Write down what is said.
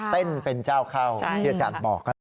เต้นเป็นเจ้าเข้าเดี๋ยวจัดบอก